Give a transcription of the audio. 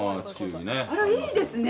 あら、いいですね。